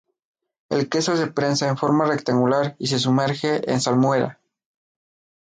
El queso se prensa en forma rectangular y se sumerge en salmuera.